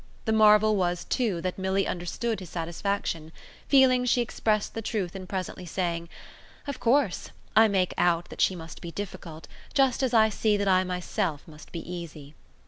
The marvel was too that Milly understood his satisfaction feeling she expressed the truth in presently saying: "Of course; I make out that she must be difficult; just as I see that I myself must be easy."